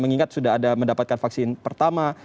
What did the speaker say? mengingat sudah ada mendapatkan vaksin pertama